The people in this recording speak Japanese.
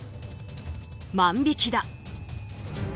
万引きだ。